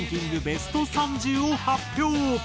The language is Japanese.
ベスト３０を発表。